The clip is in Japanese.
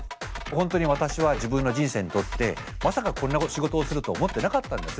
本当に私は自分の人生にとってまさかこんな仕事をすると思ってなかったんですね。